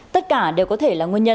tất cả đều có thể là nguyên nhân